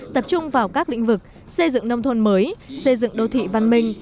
tập trung vào các lĩnh vực xây dựng nông thôn mới xây dựng đô thị văn minh